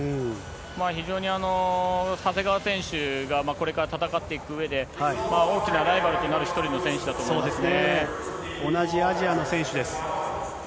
非常に長谷川選手がこれから戦っていくうえで、大きなライバルとなる一人の選手だと思いますね。